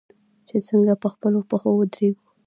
چې څنګه په خپلو پښو ودریږو.